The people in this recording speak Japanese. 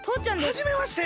はじめまして！